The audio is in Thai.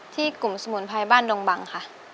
ที่กลุ่มสมุนไพรบ้านดงบังค่ะ